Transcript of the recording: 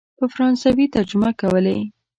په فرانسوي ترجمه کولې.